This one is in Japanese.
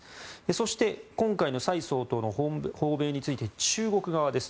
そして、今回の蔡総統の訪米について中国側です。